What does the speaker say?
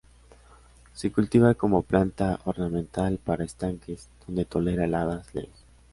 Se cultiva como planta ornamental, para estanques, donde tolera heladas leves.